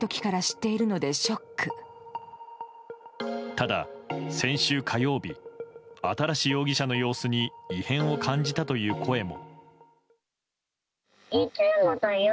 ただ、先週火曜日新容疑者の様子に異変を感じたという声も。